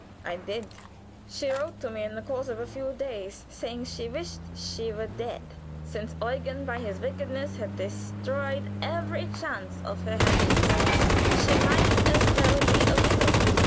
I did. She wrote to me in the course of a few days, saying she wished she were dead, since Eugen, by his wickedness, had destroyed every chance of happiness; she might as well be a widow.